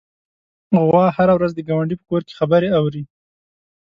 غوا هره ورځ د ګاونډي په کور کې خبرې اوري.